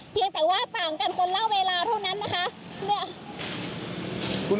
เพียงแต่ว่าต่างกันคนละเวลาเท่านั้นนะคะ